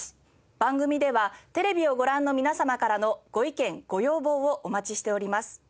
番組ではテレビをご覧の皆様からのご意見ご要望をお待ちしております。